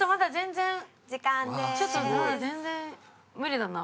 ちょっとまだ全然無理だな。